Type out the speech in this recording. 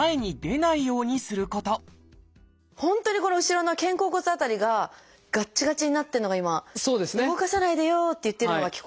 本当にこの後ろの肩甲骨辺りががっちがちになってるのが今「動かさないでよ」って言ってるのが聞こえます。